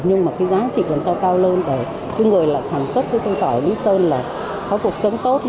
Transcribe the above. nhưng mà cái giá trị làm sao cao hơn để cái người là sản xuất cái cây tỏi lý sơn là có cuộc sống tốt